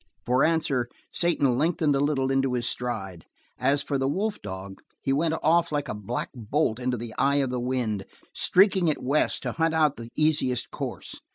For answer, Satan lengthened a little into his stride. As for the wolf dog, he went off like a black bolt into the eye of the wind, streaking it west to hunt out the easiest course.